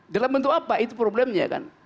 dalam bentuk apa itu problemnya kan